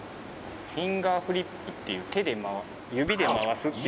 フィンガーフリップっていう「指で回す」っていう。